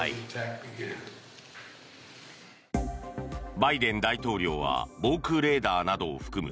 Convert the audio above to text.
バイデン大統領は防空レーダーなどを含む